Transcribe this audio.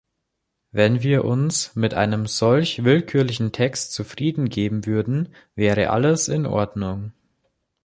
Wenn wir uns mit einem solch willkürlichen Text zufrieden geben würden, wäre alles in Ordnung.